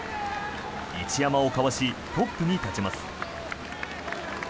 一山をかわしトップに立ちます。